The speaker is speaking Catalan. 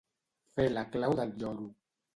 Fer la clau del lloro.